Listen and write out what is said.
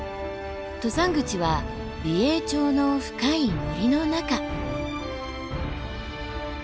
登山口は美瑛町の深い森の中。